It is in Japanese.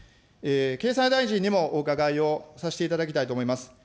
経産大臣にもお伺いをさせていただきたいと思います。